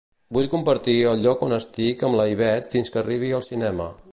Vull compartir el lloc on estic amb la Ivet fins que arribi al cinema.